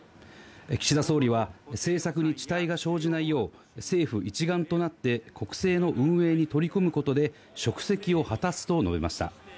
岸田総理は、政策に遅滞が生じないよう、政府一丸となって国政の運営に取り組むことで、職責を果たすと述べました。